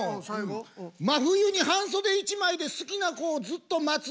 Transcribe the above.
真冬に半袖一枚で好きな子をずっと待つ。